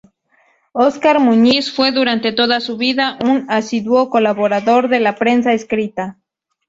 Óscar Muñiz fue durante toda su vida un asiduo colaborador de la prensa escrita.